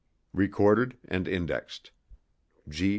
RECORDED & INDEXED G.